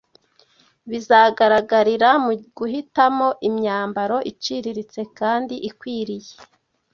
bizagaragarira mu guhitamo imyambaro iciriritse kandi ikwiriye